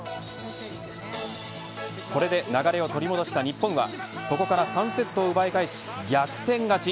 これで流れを取り戻した日本はそこから３セットを奪い返し逆転勝ち。